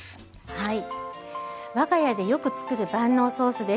はい。